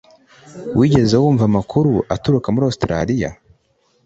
Wigeze wumva amakuru aturuka muri Ositaraliya